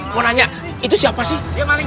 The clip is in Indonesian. mau nanya itu siapa sih